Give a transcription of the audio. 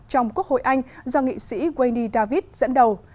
trong quốc hội anh do nghị sĩ wayney david dẫn đầu